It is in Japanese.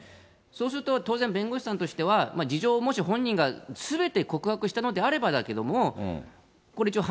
そうすると当然、弁護士さんとしては、事情をもし本人がすべて告白したのであればだけれども、これ一応、